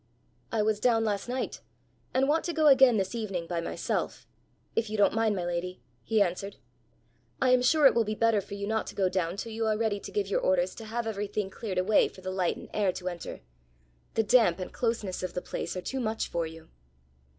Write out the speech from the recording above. "I was down last night, and want to go again this evening by myself if you don't mind, my lady," he answered. "I am sure it will be better for you not to go down till you are ready to give your orders to have everything cleared away for the light and air to enter. The damp and closeness of the place are too much for you."